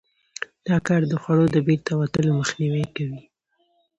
دا کار د خوړو د بیرته وتلو مخنیوی کوي.